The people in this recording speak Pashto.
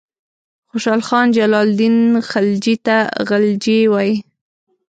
خوشحال خان جلال الدین خلجي ته غلجي وایي.